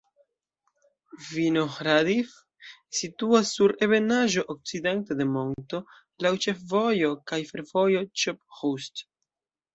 Vinohradiv situas sur ebenaĵo, okcidente de monto, laŭ ĉefvojo kaj fervojo Ĉop-Ĥust.